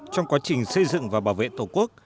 trong quá trình xây dựng và bảo vệ tổ quốc